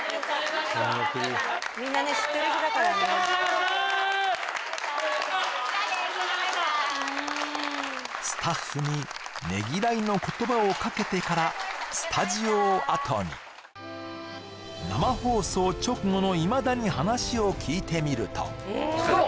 じゃあねお疲れさまでしたスタッフにねぎらいの言葉をかけてからスタジオをあとに生放送直後の今田に話を聞いてみるとどうも！